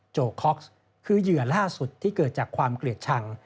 โกคอกซ์คือเหยื่อล่าสุดที่เกิดจากความเกลียดชัง